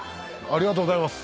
ありがとうございます。